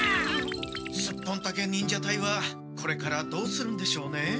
スッポンタケ忍者隊はこれからどうするんでしょうね？